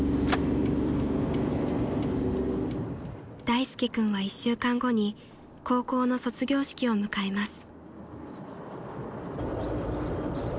［大介君は１週間後に高校の卒業式を迎えます］